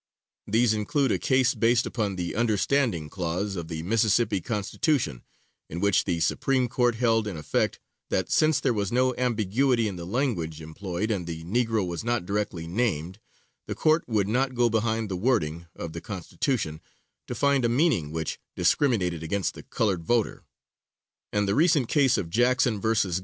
These include a case based upon the "understanding" clause of the Mississippi Constitution, in which the Supreme Court held, in effect, that since there was no ambiguity in the language employed and the Negro was not directly named, the Court would not go behind the wording of the Constitution to find a meaning which discriminated against the colored voter; and the recent case of Jackson vs.